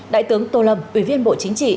đại tướng tô lâm ubnd